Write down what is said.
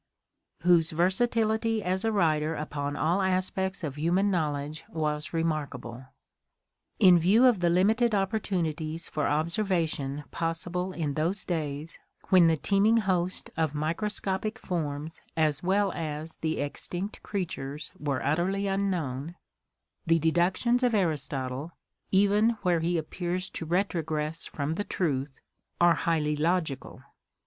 whose versatility as a writer upon all aspects of human knowledge was remarkable. In view of the limited opportu nities for observation possible in those days when the teeming host of microscopic forms as well as the extinct creatures were utterly unknown, the deductions of Aristotle, even where he appears to retrogress from the truth, are highly logical.